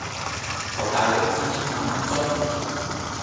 求大佬指點下迷津